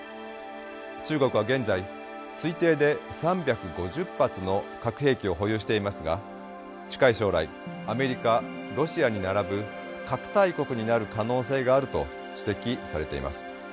中国は現在推定で３５０発の核兵器を保有していますが近い将来アメリカロシアに並ぶ核大国になる可能性があると指摘されています。